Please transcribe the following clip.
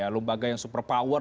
lembaga yang super power